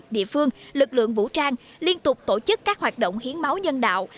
địa phương lực lượng vũ trang liên tục tổ chức các hoạt động hiến máu nhân đạo